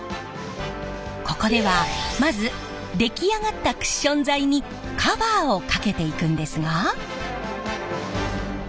ここではまず出来上がったクッション材にカバーをかけていくんですが。